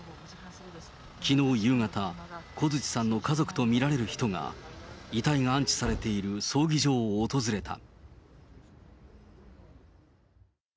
きのう夕方、小槌さんの家族と見られる人が、遺体が安置されている葬儀場を訪れた。